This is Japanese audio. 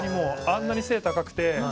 あんなに背高くて。